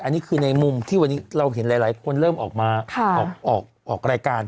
อันนี้คือในมุมที่วันนี้เราเห็นหลายคนเริ่มออกมาออกรายการ